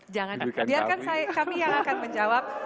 jangan biarkan kami yang akan menjawab